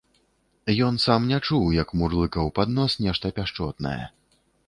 Ён сам не чуў, як мурлыкаў пад нос нешта пяшчотнае.